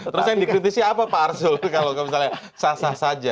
terus yang dikritisi apa pak arsul kalau misalnya sah sah saja